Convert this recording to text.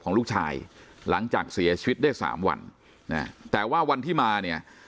ลูกชายหลังจากเสียชีวิตได้สามวันนะแต่ว่าวันที่มาเนี่ย